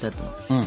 うん。